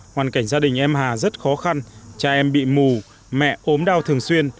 hoàn cảnh gia đình em hà rất khó khăn cha em bị mù mẹ ốm đau thường xuyên